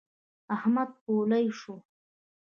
احمد پولۍ شو.